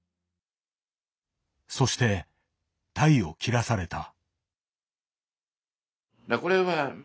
そしてタイを切らされた。